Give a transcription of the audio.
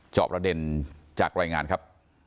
อบระเด็นจากรายงานครับ